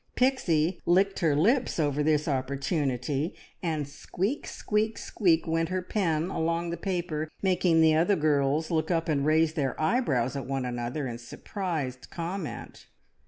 Pixie licked her lips over this opportunity, and squeak, squeak, squeak, went her pen along the paper, making the other girls look up and raise their eyebrows at one another in surprised comment.